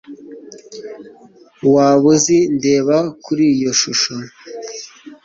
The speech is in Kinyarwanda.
Waba uzi ndeba kuri iyo shusho